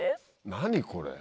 何これ。